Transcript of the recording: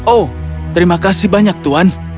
oh terima kasih banyak tuhan